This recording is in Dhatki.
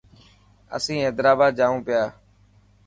اسين حيدرآباد جائو پيا.